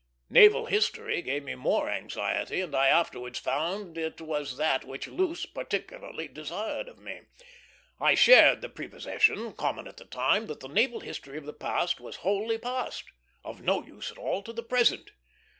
Naval history gave me more anxiety, and I afterwards found it was that which Luce particularly desired of me. I shared the prepossession, common at that time, that the naval history of the past was wholly past; of no use at all to the present.